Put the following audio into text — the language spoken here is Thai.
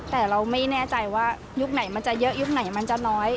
แต่เราไม่แน่ใจว่ายุคไหนมันจะเยอะยุคไหนมันจะน้อย